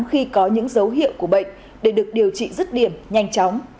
khi có những dấu hiệu của bệnh để được điều trị rất điểm nhanh chóng